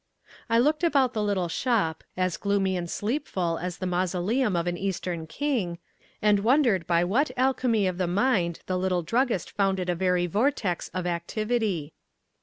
I looked about the little shop, as gloomy and sleepful as the mausoleum of an eastern king, and wondered by what alchemy of the mind the little druggist found it a very vortex of activity.